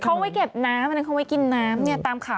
เขาไว้เก็บน้ำแล้วเขาไว้กินน้ำตามข่าวบอกว่า